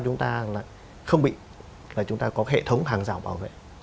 chúng ta lại không bị là chúng ta có hệ thống hàng rào bảo vệ